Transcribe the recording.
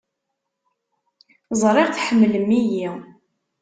Ẓriɣ tḥemmlem-iyi.